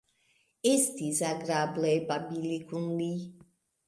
Estis agrable babili kun li.